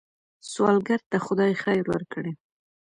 سوالګر ته خدای خیر ورکړي